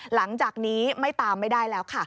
หลังจากนี้ไม่ตามไม่ได้แล้วค่ะ